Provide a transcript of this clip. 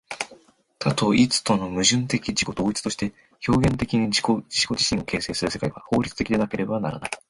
多と一との矛盾的自己同一として表現的に自己自身を形成する世界は、法律的でなければならない。